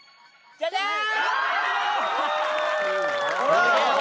ジャジャーン！